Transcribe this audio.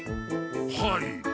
はい。